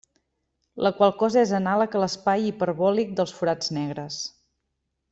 La qual cosa és anàleg a l'espai hiperbòlic dels forats negres.